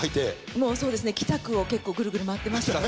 もうそうですね北区を結構グルグル回ってましたね。